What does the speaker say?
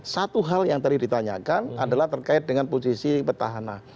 satu hal yang tadi ditanyakan adalah terkait dengan posisi petahana